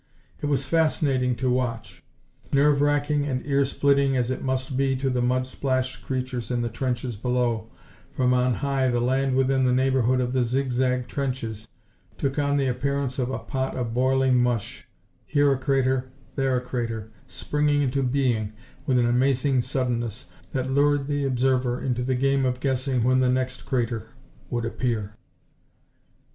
It was fascinating to watch. Nerve racking and ear splitting as it must be to the mud splashed creatures in the trenches below, from on high the land within the neighborhood of the zig zag trenches took on the appearance of a pot of boiling mush here a crater, there a crater, springing into being with an amazing suddenness that lured the observer into the game of guessing when the next crater would appear.